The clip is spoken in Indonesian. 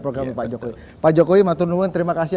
program pak jokowi pak jokowi maturnuan terima kasih